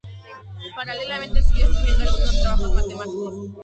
Paralelamente, siguió escribiendo algunos trabajos matemáticos.